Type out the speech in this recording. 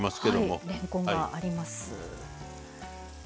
はいれんこんがあります。